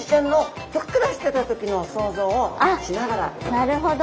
なるほど。